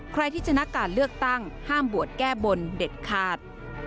ใครที่ชนะการเลือกตั้งห้ามบวชแก้บนเด็ดขาด